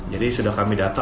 jadi sudah kami data